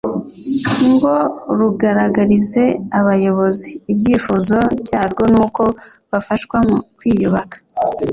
ngo rugaragarize abayobozi ibyifuzo byarwo n’uko bafashwa mu kwiyubaka